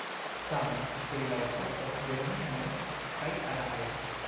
Same pri la epoko de romianoj kaj araboj.